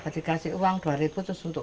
dikasih uang rp dua untuk beli rumah itu